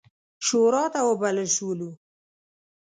شوراته وبلل شولو.